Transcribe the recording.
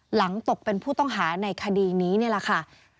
ตกเป็นผู้ต้องหาในคดีนี้นี่แหละค่ะ